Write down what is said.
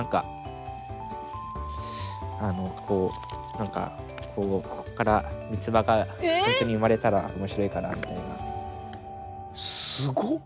何かこうここから三つ葉がほんとに生まれたら面白いかなみたいな。